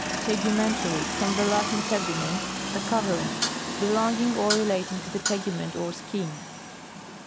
TEGUMENTARY. From the Latin, teg vmcn, a covering. Belonging or relating to the tegument or skin.